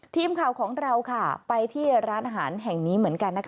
ทีมข่าวของเราไปที่ร้านอาหารแห่งนี้เหมือนกันนะคะ